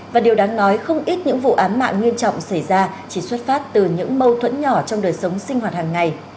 và điều đáng nói không ít những vụ án mạng nghiêm trọng xảy ra chỉ xuất phát từ những mâu thuẫn nhỏ trong đời sống sinh hoạt hàng ngày